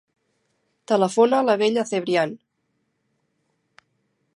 Telefona a la Bella Cebrian.